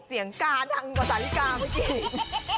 เสียงกาทังกว่าสาลิกาไม่จริง